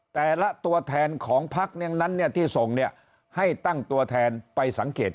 แต่ละตัวแทนของพักนั้นเนี่ยที่ส่งเนี่ยให้ตั้งตัวแทนไปสังเกต